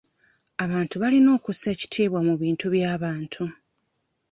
Abantu balina okussa ekitiibwa mu bintu by'abantu.